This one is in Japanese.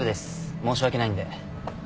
申し訳ないんで。